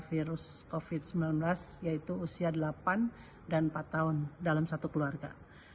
virus covid sembilan belas yaitu usia delapan dan empat tahun dalam satu keluarga